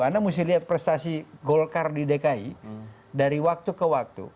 anda mesti lihat prestasi golkar di dki dari waktu ke waktu